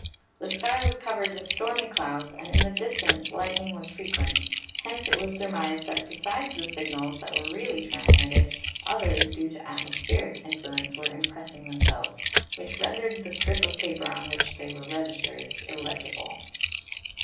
The zlzy was covered with stormy clouds and in the distance lightning was frequent, hence it was surmised that be sides the signals that were really transmitted, others, due to atmospheric influence, were impressing themselves, which rendered the strip of paper on which they were registered illegible.